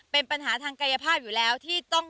เป็นปัญหาทางกายภาพอยู่แล้วที่ต้อง